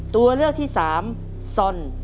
ตัวเลือกที่๓ซอน